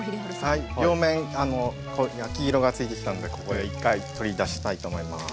はい両面焼き色がついてきたんでここで一回取り出したいと思います。